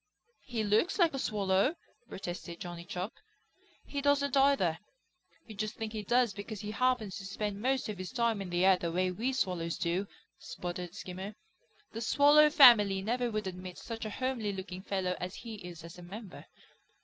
"He looks like a Swallow," protested Johnny Chuck. "He doesn't either. You just think he does because he happens to spend most of his time in the air the way we Swallows do," sputtered Skimmer. "The Swallow family never would admit such a homely looking fellow as he is as a member.